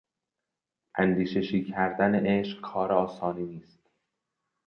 اندیششی کردن عشق کار آسانی نیست.